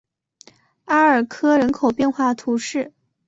阿尔科人口变化图示